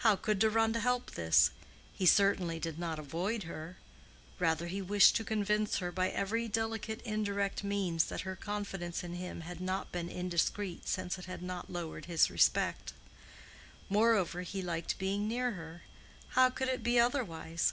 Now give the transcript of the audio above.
How could Deronda help this? He certainly did not avoid her; rather he wished to convince her by every delicate indirect means that her confidence in him had not been indiscreet since it had not lowered his respect. Moreover he liked being near her—how could it be otherwise?